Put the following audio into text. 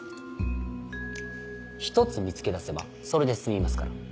１つ見つけ出せばそれで済みますから。